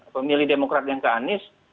pemilih demokrat dan ke anies